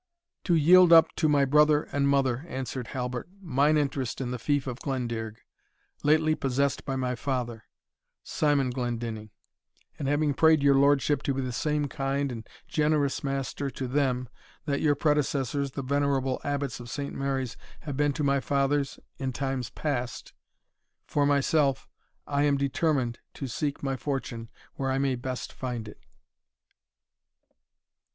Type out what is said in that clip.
"To yield up to my brother and mother," answered Halbert, "mine interest in the fief of Glendearg, lately possessed by my father, Simon Glendinning: and having prayed your lordship to be the same kind and generous master to them, that your predecessors, the venerable Abbots of Saint Mary's, have been to my fathers in times past; for myself, I am determined to seek my fortune where I may best find it."